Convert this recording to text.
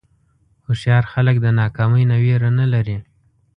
هوښیار خلک د ناکامۍ نه وېره نه لري.